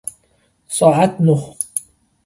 ساعت نه